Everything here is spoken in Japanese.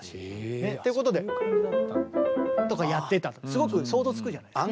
すごく想像つくじゃないですか。